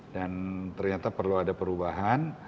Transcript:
dan ternyata perlu ada perubahan